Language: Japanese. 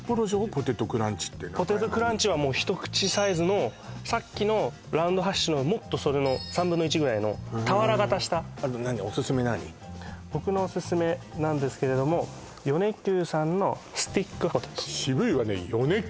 ポテトクランチってポテトクランチは一口サイズのさっきのラウンドハッシュのそれの３分の１ぐらいの俵型した僕のおすすめなんですけれども米久さんのスティックポテト渋いわね米久？